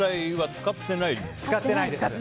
使ってないです。